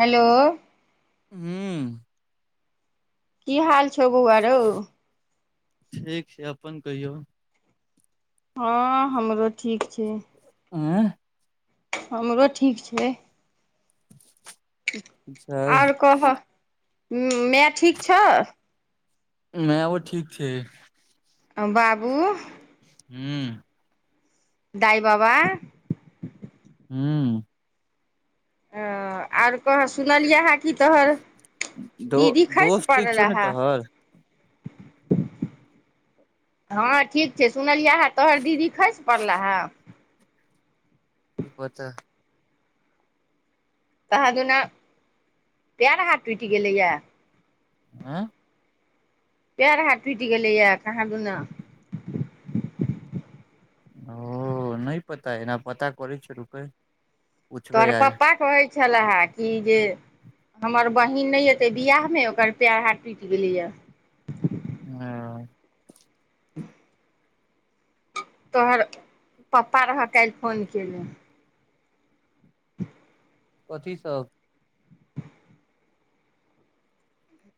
Hello हू की हाल छौ बौआरौ ठीक छै अपन कहियौ हँ हमरो ठीक छै ऐं हमरो ठीक छै ठीक छै आर कहऽ मैय ठीक छौ मैओ ठीक छै बाबू हू दाई बाबा हू ओ आर कह सुनलियै हन खसि दो-दोस्त ठीक छौ पड़ला ने हे तोहर हँ ठीक छै सुनलियै या तोहर दीदी खैसि पड़ला हें की पता कहाँ दुना पैड़ हाथ टूटि गेलैए या आँय पैर हाथ टुटि गेलैए या कहाँ दुना ओ नहि पता एना पता करै छियो रुकै पुछबै तोहर आइ पप्पा कहै छलाह हें कि जे हमर बहिन नहि एतै- से बियाह मे ओकर पैर हाथ टुटि गेलै या हँ [unintelligible] तोहरके। पप्पा रहऽ काल्हि फोन। चेले। [unintelligible] कथी सब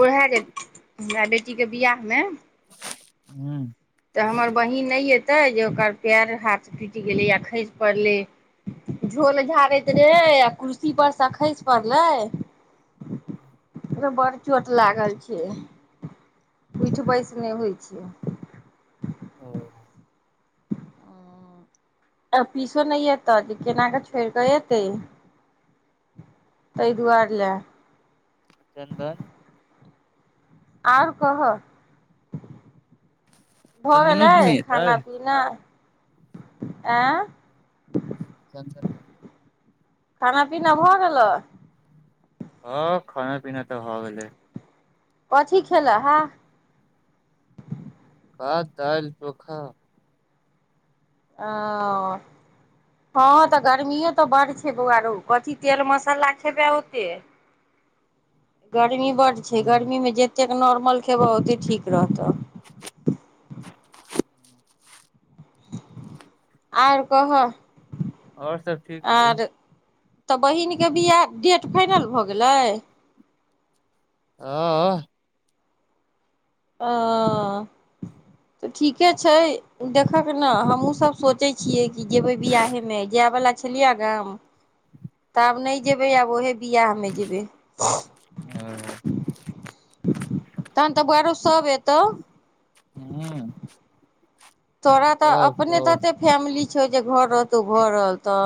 ओहेय जे हमरा बेटीके बिियह मे। ह्म्म तऽ हमर बहीन नहि एतै जे ओकर पैर हाथ फटूटि गेलै आ खसि पड़लै, झोल झाड़ैत रहै आ कुर्सी परसँ खसि पड़लै ओ बड़ चोट लागल छै। उठ बईस नहि होइ छिय। ओ आ पीसो नहि एत जे केनााकऽ छोड़ कऽ एतै। तई दुआर लए। चन्दन आओर कह। भर चन्दनो ल जी नहि एतै खाना पीना। एअ। चंदन। खाना पीना भऽ गेल। हँ खाना पीना तऽ भ गेलै। कथी खेल हँ। भात दाल चोखा। ओ, हँ तऽ गर्मीए तऽ बड़ छैे बौआरो कथी तेल मसाला खेबै ओते गर्मी बड छै हूँ गर्मी मे जेते नॉर्मल खेबह ओते ठीक रहतौ। आर कहऽ। ओर सभ ठीक छै। आर तऽ बहिनके बिियाह डेट फाइनल भऽ गेलै। हँ अअ। ह तऽ ठीके छै देखक न हमहूँसभ सोचै छियै कि जेबै विियाहेमे जायवला छलियै गाम तऽ आब नहि जेबै आब उहे बियाह मे जेबे। तहन तऽ बरो सब एतौ। [unintelligible] तोरा तऽ सब अपने सब तऽ त फैमिली छए जे घर रहतौ घर तऽ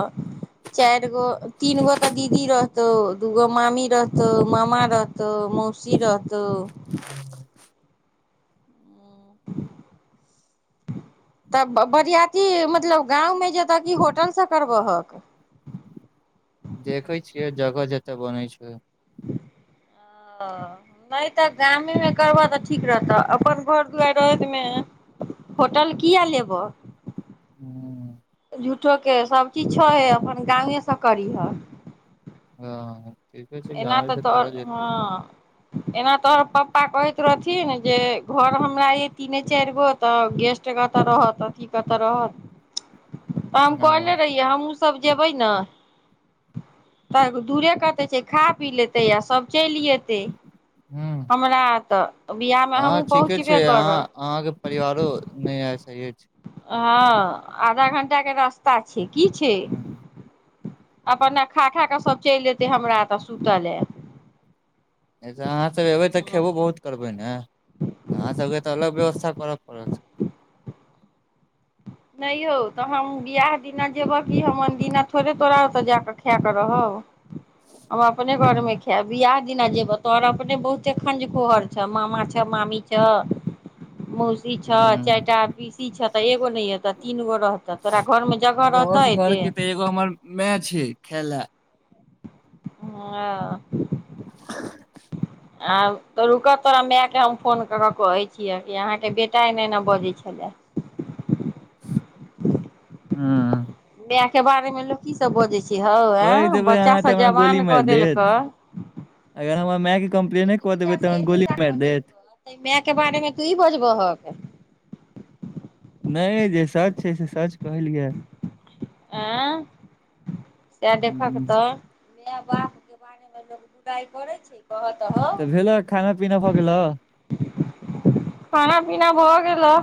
चारि गो तीन गो ते दीदी रहतौ दूगो मामी रहतौ मामा रहतौ मौ सी रहताे। तऽ बरियतीी मतलब गाँवमे जतऽ कि होटल सँ करबहक। देखई छियै जगह जतय बनै छै। ओ नहि तऽ गामेमे करबह तऽ ठीक रहतऽ अपन घर दुआरि रातिमे होटल किए लेबह। ह्म्म झूठो के सब चीज छ हे अपन गावे स करिह। ह। एना तऽ तो हँ। एना तोहर पप्पा कहैत रहथिन जे घर हमरा यइ तीने चारि गो तऽ गेस्टकेतय रहत अथीेतऽ रहत। तऽ हम हँ कहले रहहिै हम उ सब जेबै न तऽ दूरे कते छै। खा पी लेतै य सब। चेलिअतै ह हमरा त हँ ठीके छै अह अहाँके परिवारो नहियअ सहय छै। हँ आधा घंटा के रास्ता छि। की छै। ह अपन खा खा के सभ चलि अयतै हमरा तऽ सुतल हे। अचछा अहाँसभ एयबै तऽ खेबो बहुत करबै न। कहहाँ सबके तऽ अलग व्यवस्था परब परत नहियौ तऽ हम बिआह दिना जेबह किी हम दिना थोड़े तोरा सजा के खााकऽ रहब। हम अपने घर हूँ मे खभ बियाह दिना जेबह तोहर अपने बहुते खंज खोहर छ मामा छ, मामी छ। मौसी छ, चारट पीसी, तऽ एगो न य। घ रहतौ घर एते के तऽ एगो हमर मैच हय खेल ल उम्मअ आ तो रुकऽ तोरा मायके हम फोन कऽ कऽ कहै छियै कि अहाँके बेटा एने एना बजै छलए। हम्म इया के बारे मे लो की सब बजे छै। ह कहि आ देबै बच्चा अहाँ सब तऽ हमरा गोली जवान कऽ मारि देलक, देत अगर हमर माय के कम्प्लेने कऽ देबै तऽ हमरा गोली मारि देत देलाय के बारे मे तू ई बजब। नहि जे सच छै से सच कहलियै। आँ सएह देखके हूँ। तऽ। माय बापके बारेमे लोक बुराइ करै छै। कह तह, तऽ भेलऽ खाना पीना भऽ गेलऽ खाना पीना भऽ गेलह।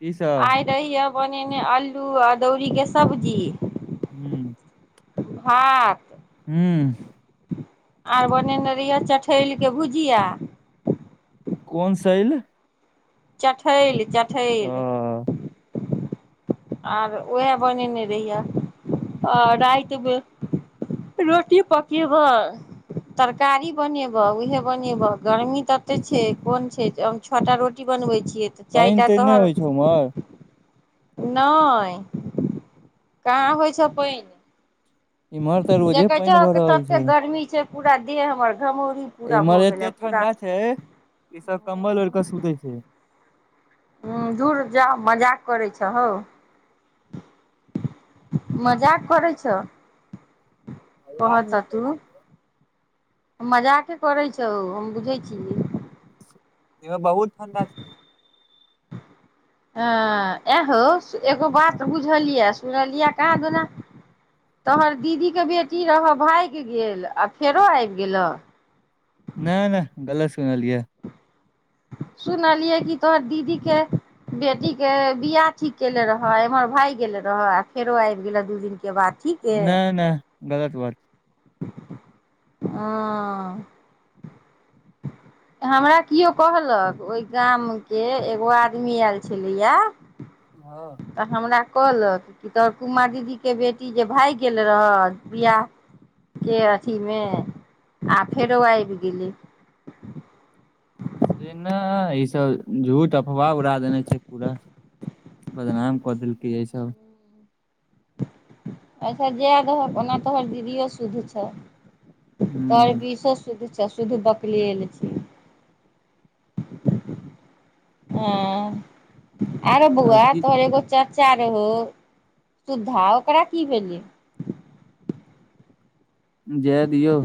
की सब आइ दहिय बनेने आलू अदौरी के सब्जी। ह्म्म भात ह्म्म आर बनैन नरियल चठैरके भुजिया। कोन शैल चठैल। ओ चठइल। आर उएह बनेने रहिये आ रातिमे रोटी पकेबह, तरकारी बनेबह उएह बनेबह गर्मी ततेक छै कोन छै हम छओटा रोटी बनबैत छी। पानि तऽ नहि होइ छै उमर नहि कहाँ होइ छ पि इम्हर तऽ रोजे देखै छ पानि भऽ तते गर्मी छै। पूरा देह हमर घमौरी पूरा इमर भऽ गेल एते पूरा ठणडा छै ई सब कंबल ओढ़ के सुतै छै। ह्म्म दूर जा मजाक करै छ हौ, मजाक करै छ। पह मजाक नहि ततू करै मजाक करैत छौ हम बुझैत छिय। इधर बहुत ठंडा छै। हँ एहो एगो बात बुझल यऽ सुनलियिया कह दना तोहर दीदीे बेटी रहऽ भागि गेल आ फेरो होई गेलह। सुनलिय सुनलियै कि तोहर दीदी के बेटी के बिियाह ठीक केेले रहऽ एम्हर भाग गेले रह आ फेरो आबि गेले दू दिननक के बाद। ठीके नेय नए गलत बात। अअ त हमरा किओ कहलक ओहि गाम के एगो आदमी आयल छलैए। हँ तऽ हमरा कहलक कि तोहर पुमा दीदी के बेटी जे भागि गेल रह विियाह के अथीमे आ फेरो आबि गेलै। ए ना ई सब झूठ अफवाह उड़ा देने छै पूरा बदनाम कऽ देलकै इ सब। अच्छा जाए दहक ओना तोहर दीदिओ शुद्ध छह। तोर हूँ बीसो सुध छै। त शुध बकलिल छी। ऊम्म आ रे बउवा अथी तोहर एगो चा चा रहो तु धा ओकरा की भेलै। जाए दियौ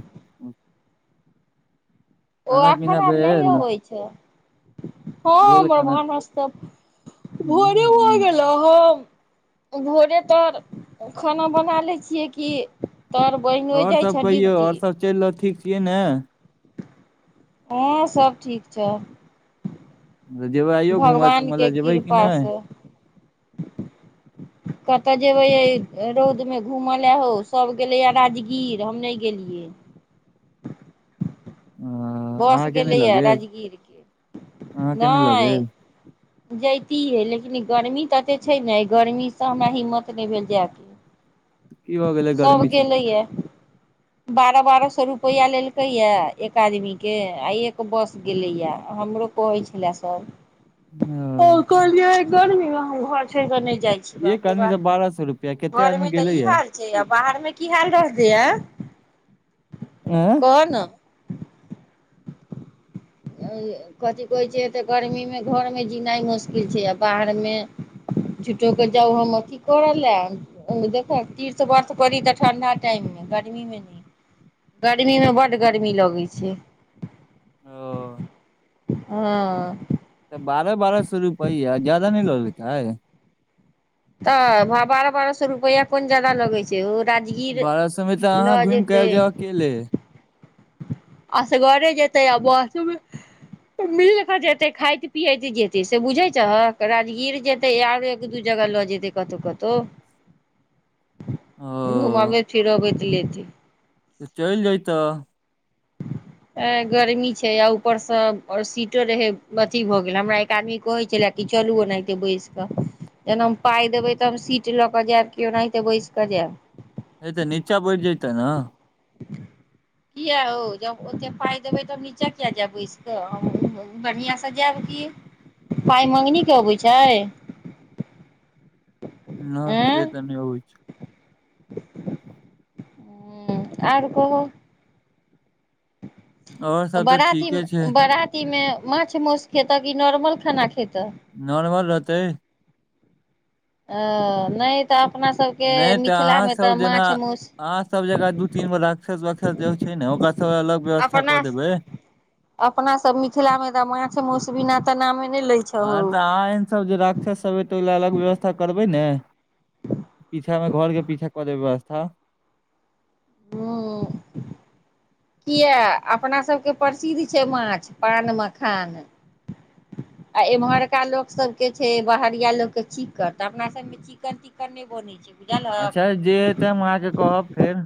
ओ खाना आ पीना खराब नहि भेल होइ छै। हँ भेल हमर खाना भानसत, भोरे भ हम्म, गेलो ह भोरे तोहर खाना बना लै छियै कि तोहर बहिनो ओर जाइ सब छ कहियौ ड्यूटी आओर सब चलि रहल ठीक छियै न। हँ सभ ठीक छह। रजयो अइयो घूमय तुमय लए जेबै कि ना। से कतय जेयबै रौदमे घूमय ल हो, सभ गेलैए राजगीर हम नई गेलियै। अ, बस अहाँके नहि लऽ गेलैए गेल राजगीर के अहाँके नहि लऽ नाई। गेल जैतियै लेकिन ई गर्मी तऽ एतेक छै न ई गर्मी सँ हमरा हिम्मत नहि भेल जायके। की भऽ गेलै सब गर्मी छै तऽ। गेलैये बारह बारह सौ रुपैआ लेलकै य एक आदमी के आइ एक बस गेलैयए हमरो कहै छलै सब। ओ अ, कहलियई गर्मी मे हम घर छै नई जाइ छी बाप एक र आदमी बाप, तऽ बारह सए रुपआ कते घर मे आदमी तऽ गेले ई या हाल छै आ बाहर मे की हाल रहतेय आँय कह न ज कथिी कहैत छै तऽ गर्मीमे घरमे जीनाइ मुश्किल छैआ, बाहर मे झुटोक कऽ जाउ हम अथी करऽ लए देखब तीर्थ वर्त पड़ी तऽ ठण्ढा टाइममे गर्मीमे नहि, गर्मीमे बड्ड गर्मी लगै छै। ओ। हँ। तऽ बारह बारह सौ रुपैआ ज्याददा नहि लगइत हई। तऽ बारह बारह सौ रुपैआ कौन जदा लगै छै ओ राजगीर बारह समे तऽ अहाँ लऽ घुमि कऽ जेतै आजाउ अकेले। असगरे जेतै आ बस मिल कऽ जेतै खाइत पियत जेतै से बुझै छह राजगीर जेतै आरो एक दू जगह लऽ जेतै कतहु कतहु। ओ घुमबै फिरबै लेत तऽ चईल जयतऽ। ए गर्मी छै आ ऊपरसँ अ सीटो रहै अथी भऽ गेल, हमरा एक आदमी कहैत छलए कि चलू ओनाहिते बैसि कऽ, जखना हम पाइ देबै तऽ हम सीट लऽ कऽ जायब किओ ओनाहिते बैसि कऽ जायब। नहि तऽ नीचा बैठ जईत न। किए हौ जब ओतेक पाइ देबै तब नीचाँ किएक जायब बैसि, कऽ हम बढ़िआँ सँ जायब की, पाइ मङ्गनीक क अबै छै। न से तऽ नहि होइ छै ह्म्म आर कहु। और तऽ सब तऽ बाराती ठीके छै बाराती मे माछ मास खेता क नॉर्मल खाना खेत नॉर्मल रहतै। अ नहि तऽ अपना सबके नहि तऽ अहाँ मिथिलामे तऽ सभ जेना माछ मौस अहाँ सभ जेकाँ दू तीन गो राक्षस वाक्षत जे छै न ओकरा सब अलग व्यवस्था अपना कऽ देबै अपना सब मिथिलामे तऽ माछ मस बिीना हँ तऽ आह एन सब जे रााक्षस सब त ओहि ल अलग व्यवस्था करबै न। पीछामे घर के पीछा क दे व्यवस्था। हूँ किया अपना सबके प्रसिद्ध छै माछ पान मखान आ इम्हरका लोक सबके छै बहरिया लोकके चिक्कन तऽ अपना सबमे चिकन तिक्कन नहि बनै छै बुझलहक अच्छा जे हेतै हम अहाँके कहब फेर